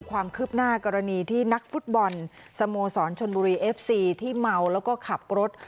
ความคืบหน้ากรณีที่นักฟุตบอลสโมสรชนบุรีเอฟซีที่เมาแล้วก็ขับรถ